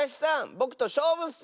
ぼくとしょうぶッス！